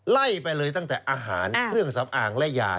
ไล่ไปเลยตั้งแต่อาหารเครื่องสำอางและยา